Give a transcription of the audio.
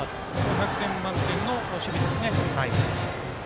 １００点満点の守備ですね。